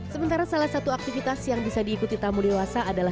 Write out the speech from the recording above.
sementara salah satu aktivitas yang bisa diikuti tamu dewasa adalah